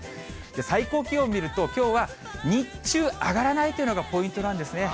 最高気温見ると、きょうは日中、上がらないというのがポイントな上がらないんですね。